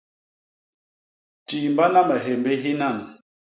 Tiimbana me hyémbi hi nan.